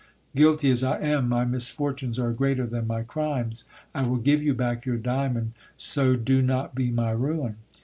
Guilty as I am, my mis fortunes are greater than my crimes. I will give you back your diamond, so do not be my ruin.